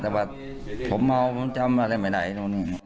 แต่ว่าผมเมาจะเอาไปไหน